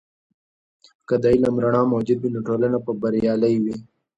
که د علم رڼا موجوده وي، نو ټولنه به بریالۍ وي.